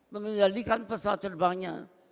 mengendalikan pesawat terbangnya